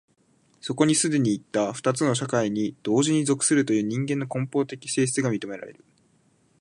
そこに既にいった二つの社会に同時に属するという人間の根本的性質が認められる。